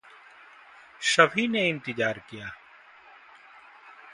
सभी ने इंतज़ार किया।